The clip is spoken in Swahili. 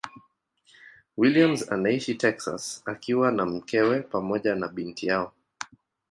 Williams anaishi Texas akiwa na mkewe pamoja na binti yao.